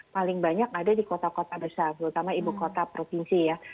paling banyak ada di kota kota besar terutama ibu kota provinsi ya